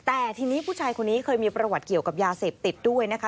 แต่ทีนี้ผู้ชายคนนี้เคยมีประวัติเกี่ยวกับยาเสพติดด้วยนะคะ